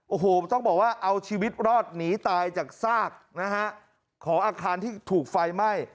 โอ้โหต้องบอกว่าเอาชีวิตรอดหนีตายจากซากนะฮะของอาคารที่ถูกไฟไหม้